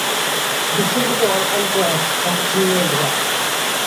বিশ্বের প্রতি ওর অন্তর আজ দাক্ষিণ্যে ভরা।